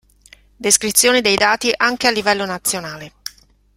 Descrizioni dei dati anche a livello nazionale.